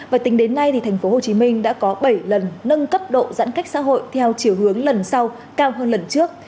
và tính đến nay tp hcm đã có bảy lần nâng cấp độ giãn cách xã hội theo chiều hướng lần sau cao hơn lần trước